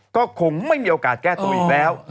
ก็คงไม่มีโอกาสแก้ตัวอีกแล้ว